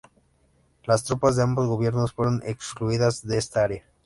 Las tropas de ambos gobiernos fueron excluidas de esta área.